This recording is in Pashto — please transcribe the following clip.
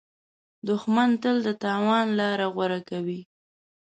دښمن تل د تاوان لاره غوره کوي